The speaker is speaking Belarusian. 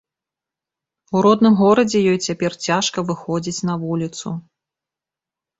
У родным горадзе ёй цяпер цяжка выходзіць на вуліцу.